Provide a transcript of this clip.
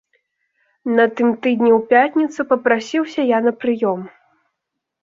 На тым тыдні ў пятніцу папрасіўся я на прыём.